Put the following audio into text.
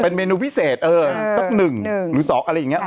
เป็นเมนูพิเศษสัก๑หรือ๒อะไรอย่างนี้